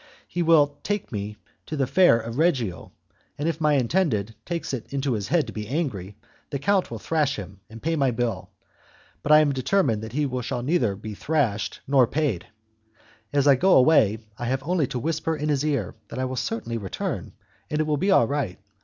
He will take me to the Fair of Reggio, and if my intended takes it into his head to be angry, the count will thrash him and pay my bill, but I am determined that he shall be neither thrashed nor paid. As I go away, I have only to whisper in his ear that I will certainly return, and it will be all right.